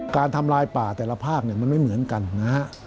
การทำลายป่าแต่ละภาคเนี่ยมันไม่เหมือนกันนะฮะ